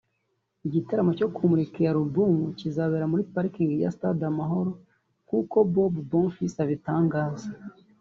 Igitaramo cyo kumurika iyi alubumu kizabera muri parikingi ya Stade amahoro nk’uko Bobo Bonfils abitangaza